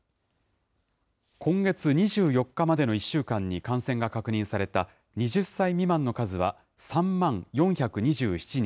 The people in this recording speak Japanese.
今月２４日までの１週間に感染が確認された２０歳未満の数は３万４２７人。